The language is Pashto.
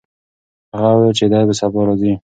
هغه وویل چې دی به سبا راځي.